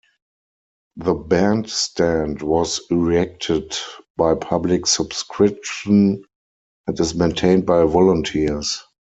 The bandstand was erected by public subscription and is maintained by volunteers.